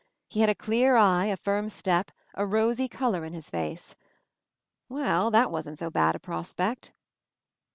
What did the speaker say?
He had a clear eye, a firm step, a rosy color in his face. Well, that wasn't so bad a pros pect.